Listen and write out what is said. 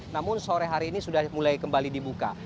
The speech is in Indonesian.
namun sore hari ini sudah mulai kembali dibuka